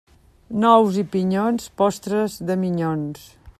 Nous i pinyons, postres de minyons.